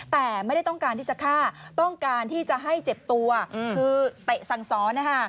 แต่ไม่ได้ต้องการที่จะฆ่าต้องการที่จะให้เจ็บตัวคือเตะสั่งซ้อนนะคะ